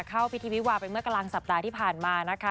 เข้าพิธีวิวาไปเมื่อกลางสัปดาห์ที่ผ่านมานะคะ